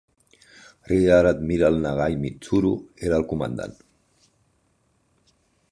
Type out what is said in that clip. Rear Admiral Nagai Mitsuru era el comandant.